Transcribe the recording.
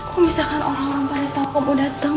kok misalkan orang orang pada tau kamu dateng